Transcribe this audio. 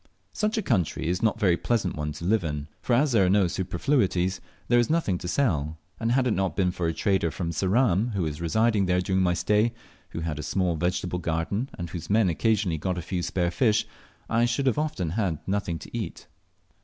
Such a country is not a very pleasant one to live in, for as there are no superfluities, there is nothing to sell; and had it not been for a trader from Ceram who was residing there during my stay, who had a small vegetable garden, and whose men occasionally got a few spare fish, I should often have had nothing to eat.